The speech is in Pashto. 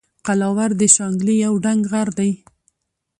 قلاور د شانګلې یو دنګ غر دے